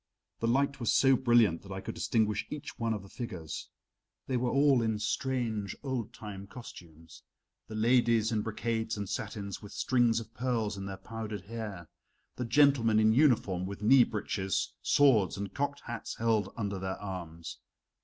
The light was so brilliant that I could distinguish each one of the figures. They were all in strange old time costumes; the ladies in brocades and satins with strings of pearls in their powdered hair, the gentlemen in uniform with knee breeches, swords, and cocked hats held under their arms.